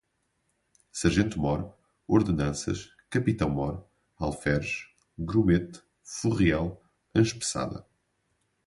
Sargento-Mor, Ordenanças, Capitão-Mor, Alferes, Grumete, Furriel, Anspeçada